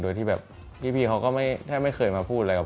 โดยที่แบบพี่เขาก็แทบไม่เคยมาพูดเลยครับ